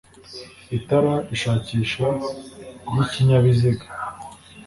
itara rishakisha ry' ikinyabiziga